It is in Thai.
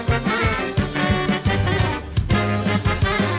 สวัสดีค่ะ